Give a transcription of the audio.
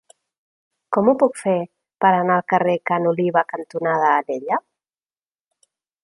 Com ho puc fer per anar al carrer Ca n'Oliva cantonada Alella?